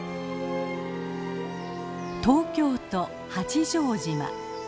東京都八丈島。